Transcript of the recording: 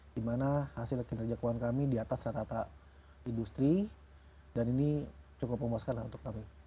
di mana hasil kinerja keuangan kami di atas rata rata industri dan ini cukup memuaskan lah untuk kami